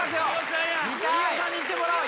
飯尾さんに行ってもらおう。